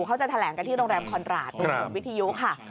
เขาจะแถลงกันที่โรงแรมคอนราชตรงจุดวิทยุค่ะ